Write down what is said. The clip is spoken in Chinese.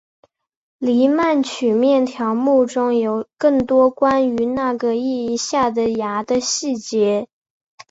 黎曼曲面条目中有更多关于那个意义下的芽的细节。